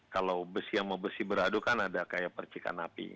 kalau besi sama besi beradu kan ada kayak percikan api